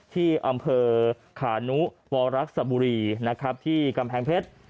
ที่อำเภอขานุบรักษบุรีที่กำแพงเพชร